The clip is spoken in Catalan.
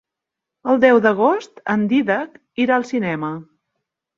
El deu d'agost en Dídac irà al cinema.